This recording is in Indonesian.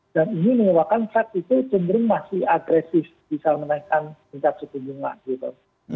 dan ini menyebabkan fed itu cenderung masih agresif bisa menaikkan tingkat suku bunga gitu